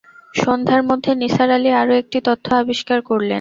সন্ধ্যার মধ্যে নিসার আলি আরো একটি তথ্য আবিষ্কার করলেন।